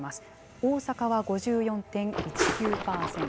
大阪は５４．１９％。